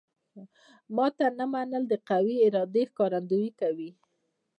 ماته نه منل د قوي ارادې ښکارندوی کوي